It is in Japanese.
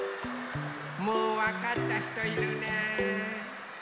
・もうわかったひといるね。